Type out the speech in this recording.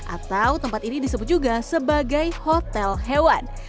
atau tempat ini disebut juga sebagai hotel hewan